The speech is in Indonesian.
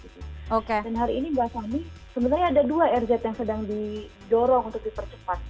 dan hari ini buat kami sebenarnya ada dua rz yang sedang didorong untuk dipercepat